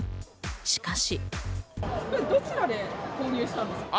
しかし。